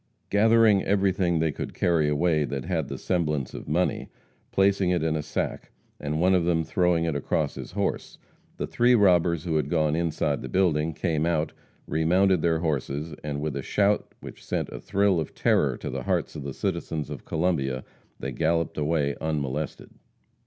Gathering everything they could carry away that had the semblance of money, placing it in a sack, and, one of them throwing it across his horse, the three robbers who had gone inside the building came out, remounted their horses, and with a shout which sent a thrill of terror to the hearts of the citizens of Columbia, they galloped away unmolested.